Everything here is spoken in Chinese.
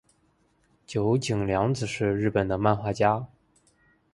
九井谅子是日本的漫画家。